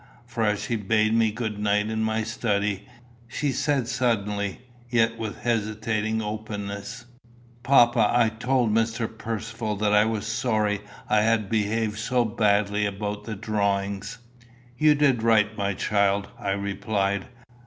For as she bade me good night in my study, she said suddenly, yet with hesitating openness, "Papa, I told Mr. Percivale that I was sorry I had behaved so badly about the drawings." "You did right, my child," I replied.